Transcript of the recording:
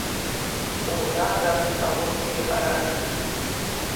У градах агуркі гараць.